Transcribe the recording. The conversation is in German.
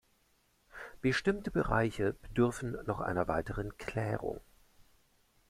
Bestimmte Bereiche bedürfen noch einer weiteren Klärung.